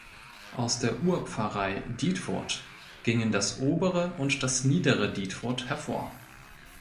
Aus der Urpfarrei Dietfurt gingen das Obere und das Niedere Dietfurt hervor.